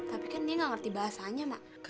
tapi kan nia gak ngerti bahasanya mak